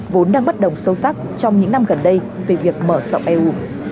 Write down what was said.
vốn đang bất đồng sâu sắc trong những năm gần đây về việc mở rộng eu